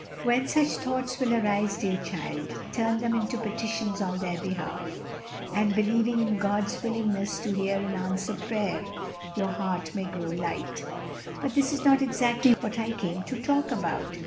"When such thoughts will arise, dear child, turn them into petitions on their behalf, and believing in God's willingness to hear and answer prayer, your heart may grow light. "But this is not exactly what I came to talk about."